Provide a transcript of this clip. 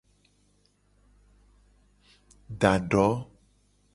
Da do.